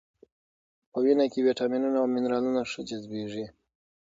په وینه کې ویټامینونه او منرالونه ښه جذبېږي.